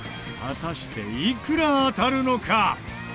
果たしていくら当たるのか？